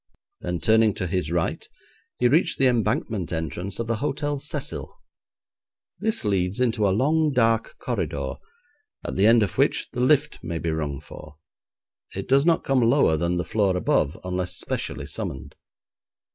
Then turning to his right he reached the Embankment entrance of the Hotel Cecil. This leads into a long, dark corridor, at the end of which the lift may be rung for. It does not come lower than the floor above unless specially summoned.